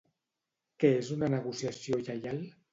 Què és una negociació lleial?